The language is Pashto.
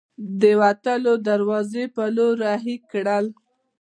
د وتلو دروازې په لور ور هۍ کړل.